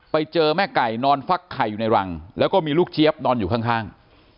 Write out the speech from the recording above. ไปเจอแม่ไก่นอนฟักไข่อยู่ในรังแล้วก็มีลูกเจี๊ยบนอนอยู่ข้าง